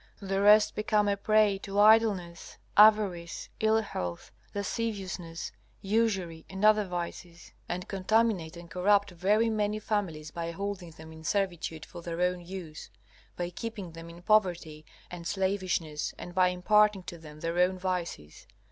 The rest become a prey to idleness, avarice, ill health, lasciviousness, usury, and other vices, and contaminate and corrupt very many families by holding them in servitude for their own use, by keeping them in poverty and slavishness, and by imparting to them their own vices.